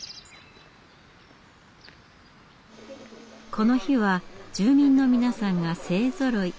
この日は住民の皆さんが勢ぞろい。